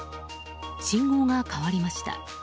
信号が変わりました。